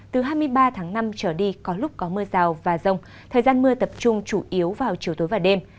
từ hai mươi ba tháng năm trở đi có lúc có mưa rào và rông thời gian mưa tập trung chủ yếu vào chiều tối và đêm